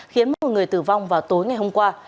khiến một người tử vong vào tối ngày hôm qua